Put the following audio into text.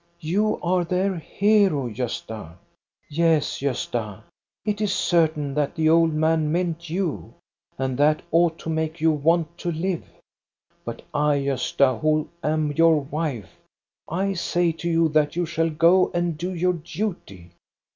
You are their hero, Gosta. " Yes, Gosta, it is certain that the old man meant you, and that ought to make you want to live. But I, Gosta, who am your wife, I say to you that you shall go and do your duty.